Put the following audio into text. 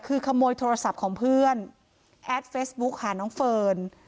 คือขโมยโทรศัพท์ของเพื่อนแอดเฟซบุ๊คหาน้องเฟิร์น